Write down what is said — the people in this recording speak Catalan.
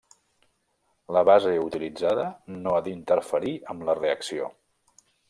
La base utilitzada no ha d'interferir amb la reacció.